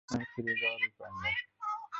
এখন আর ফিরে যাওয়ার উপায় নেই!